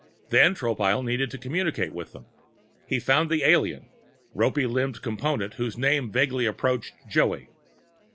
Then Tropile needed to communicate with them. He found the alien, ropy limbed Component whose name vaguely approached "Joey."